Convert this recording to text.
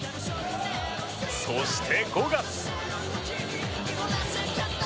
そして、５月。